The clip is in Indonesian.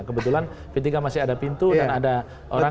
kebetulan p tiga masih ada pintu dan ada orang